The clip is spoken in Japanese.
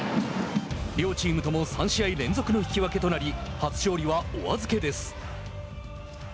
両チームとも３試合連続の引き分けとなり初勝利はお預けです。